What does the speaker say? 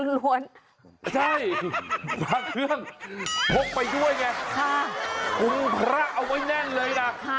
ใช่พระเครื่องพกไปด้วยไงคุมพระเอาไว้แน่นเลยนะ